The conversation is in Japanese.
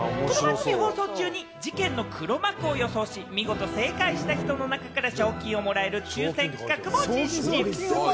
放送中に事件の黒幕を予想し、見事正解した人の中から賞金をもらえる抽選企画も実施。